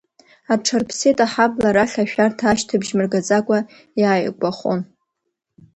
Аҽарԥсит аҳабла, арахь ашәарҭа ашьҭыбжь мыргаӡакәа иааигәахон.